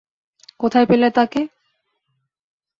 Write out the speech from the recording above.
কোথায় পেলে তাকে?